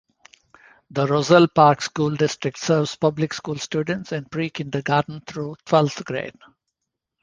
The Roselle Park School District serves public school students in pre-kindergarten through twelfth grade.